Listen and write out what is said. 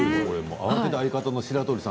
相方の白鳥さん